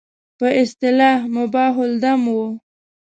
په اصطلاح مباح الدم وو.